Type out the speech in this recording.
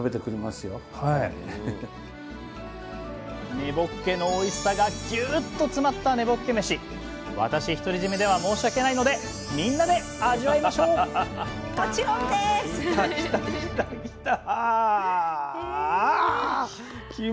根ぼっけのおいしさがぎゅっと詰まった私独り占めでは申し訳ないのでみんなで味わいましょうもちろんです！